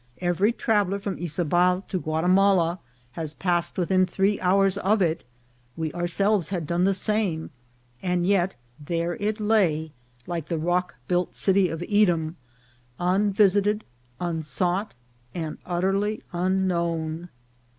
Every traveller from Yzabal to Guatimala has passed within three hours of it ; we ourselves had done the same ; and yet there it lay, like the rock built city of Edom, unvis ited, unsought, and utterly unknown.